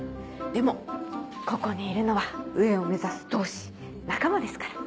でもここにいるのは上を目指す同志仲間ですから。